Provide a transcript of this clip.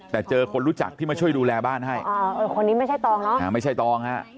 แต่เจอคนรู้จักที่มาช่วยดูแลบ้านให้คนนี้ไม่ใช่ตองเนาะไม่ใช่ตองฮะ